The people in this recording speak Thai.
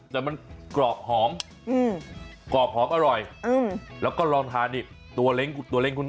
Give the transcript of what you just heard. แต่มันกรอบหอมอือกรอบหอมอร่อยอืมแล้วก็ลองทานิตัวเล็งตัวเล็ก